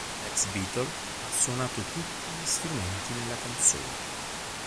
L'ex-"beatle" ha suonato tutti gli strumenti nella canzone.